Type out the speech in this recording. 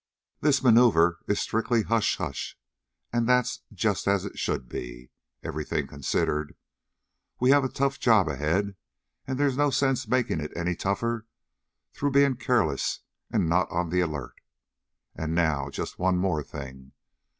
This maneuver is strictly hush hush. And that's just as it should be, everything considered. We have a tough job ahead, and there's no sense making it any tougher through being careless and not on the alert. And now, just one more thing.